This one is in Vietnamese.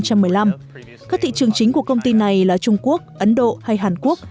các thị trường chính của công ty này là trung quốc ấn độ hay hàn quốc